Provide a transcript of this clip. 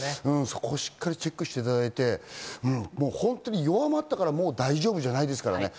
そこをチェックしていただいて弱まったからもう大丈夫じゃないですからね。